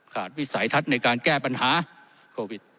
วิสัยทัศน์ในการแก้ปัญหาโควิด